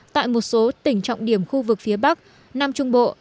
tại một số tỉnh trọng điểm khu vực phía bắc nam trung bộ